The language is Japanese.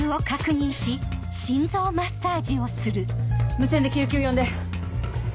無線で救急呼んで。